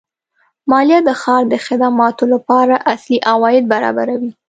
مالیه د ښار د خدماتو لپاره اصلي عواید برابروي.